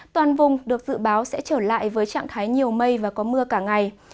toàn vùng được dự báo sẽ trở lại với trạng thái nhiều mây và có mưa cả ngày